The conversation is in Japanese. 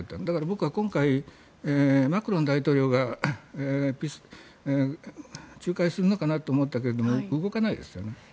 だから僕は今回、マクロン大統領が仲介するのかなと思ったけれども動かないですよね。